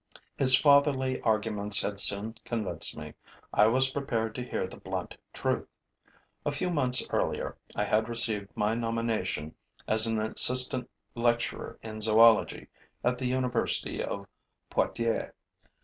His fatherly arguments had soon convinced me: I was prepared to hear the blunt truth. A few months earlier, I had received my nomination as an assistant lecturer in zoology at the university of Poitiers.